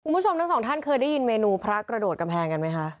คุณผู้ชมทั้งสองท่านเคยได้ยินเมนูพระกระโดดกำแพงกันไหมคะ